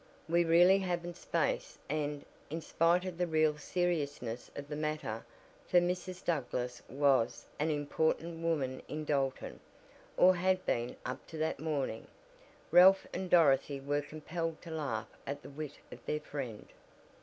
We really haven't space," and, in spite of the real seriousness of the matter, for Mrs. Douglass was an important woman in Dalton, or had been up to that morning, Ralph and Dorothy were compelled to laugh at the wit of their friend.